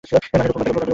মানে, রূপক অর্থে।